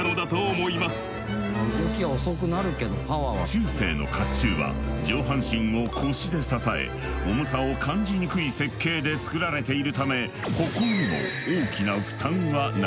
中世の甲冑は上半身を腰で支え重さを感じにくい設計で作られているため歩行にも大きな負担はなく。